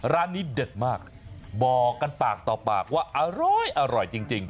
ร้านนี้เด็ดมากบอกกันปากต่อปากว่าอร่อยจริง